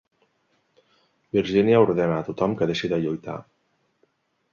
Virgínia ordena a tothom que deixi de lluitar.